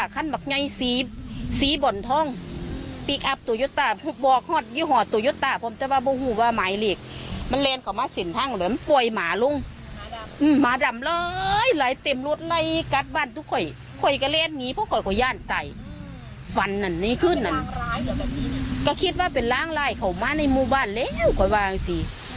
ก็คิดว่าเป็นล้างไล่เขามาในหมู่บ้านแล้วก็ว่าสิ